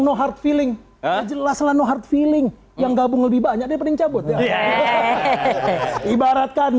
no hard feeling jelaslah no hard feeling yang gabung lebih banyak daripada cabut ya ibaratkan